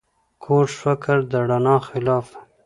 کوږ فکر د رڼا خلاف وي